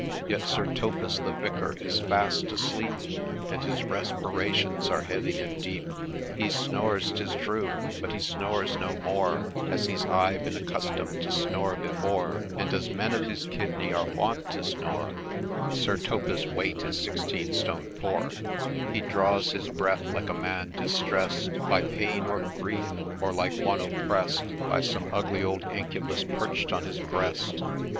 Yet Sir Thopas the Vicar is fast asleep, And his respirations are heavy and deep ! He snores, 'tis true, but he snores no more As he 's ay been accustom'd to snore before, And as men of his kidney are wont to snore ;— (Sir Thopas's weight is sixteen stone four ;) He draws his breath like a man distress'd By pain or grief, or like one oppress'd By some ugly old Incubus perch'd on his breast.